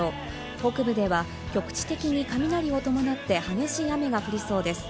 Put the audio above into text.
北部では局地的に雷を伴って激しい雨が降りそうです。